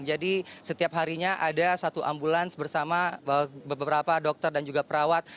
jadi setiap harinya ada satu ambulans bersama beberapa dokter dan juga perawat